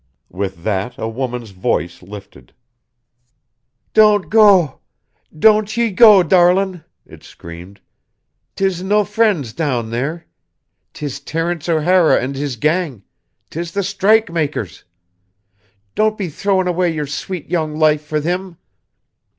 With that a woman's voice lifted. "Don't go don't ye go, darlin'," it screamed. "'Tis no frinds down there. 'Tis Terence O'Hara and his gang 'tis the strike makers. Don't be throwin' away your sweet young life for thim."